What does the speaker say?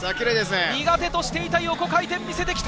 苦手としていた横回転を見せてきた。